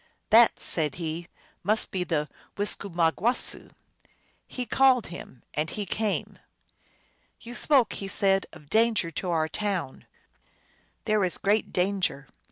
"That," said he, "must be the Wis kuma gwasoo" He called him, and he came. " You spoke," he said, " of danger to our town. What is it ?"" There is great danger.